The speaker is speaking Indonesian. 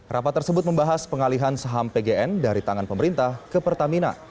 rapat tersebut membahas pengalihan saham pgn dari tangan pemerintah ke pertamina